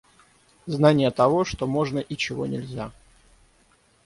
Знание того, что можно и чего нельзя.